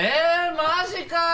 マジかよ！